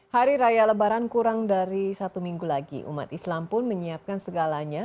hari raya lebaran kurang dari satu minggu lagi umat islam pun menyiapkan segalanya